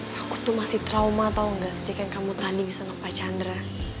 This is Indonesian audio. hai aku tuh masih trauma tahu enggak sejak yang kamu tanding sama pak chandra